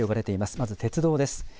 まず鉄道です。